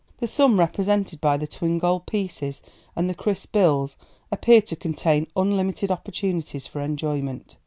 The sum represented by the twin gold pieces and the crisp bills appeared to contain unlimited opportunities for enjoyment.